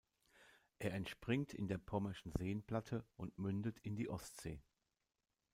Er entspringt in der Pommerschen Seenplatte und mündet in die Ostsee.